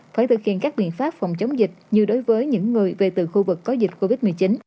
phải thực hiện các biện pháp phòng chống dịch như đối với những người về từ khu vực có dịch covid một mươi chín